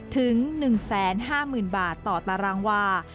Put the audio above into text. ถึง๑๕๐๐๐บาทต่อตารางวา